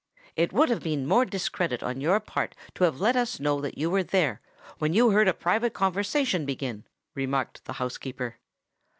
"It would have been more discreet on your part to have let us know that you were there, when you heard a private conversation begin," remarked the housekeeper.